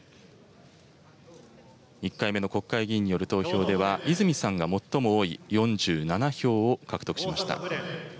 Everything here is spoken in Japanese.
１回目の国会議員による投票では、泉さんが最も多い４７票を獲得しました。